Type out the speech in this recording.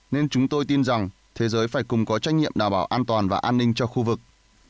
nên chúng tôi tin rằng thế giới phải cùng có trách nhiệm đảm bảo an toàn và an ninh cho khu vực